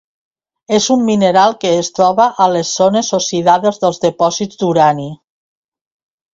És un mineral que es troba a les zones oxidades dels dipòsits d'urani.